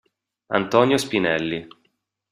Antonio Spinelli.